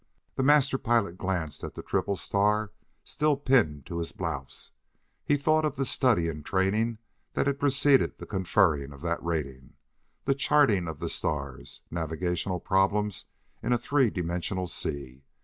The Master Pilot glanced at the triple star still pinned to his blouse; he thought of the study and training that had preceded the conferring of that rating, the charting of the stars, navigational problems in a three dimensional sea.